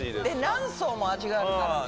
何層も味があるから。